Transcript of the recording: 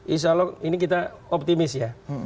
insya allah ini kita optimis ya